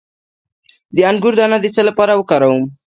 د انګور دانه د څه لپاره وکاروم؟